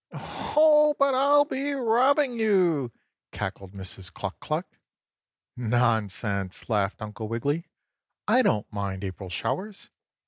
"Oh, but I'll be robbing you!" cackled Mrs. Cluck Cluck. "Nonsense!" laughed Uncle Wiggily. "I don't mind April showers.